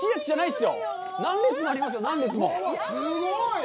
すごい。